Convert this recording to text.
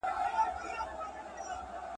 د غلا کوونکي لپاره په شريعت کي سزا ټاکل سوې.